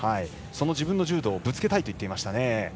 その自分の柔道をぶつけたいと言っていましたね。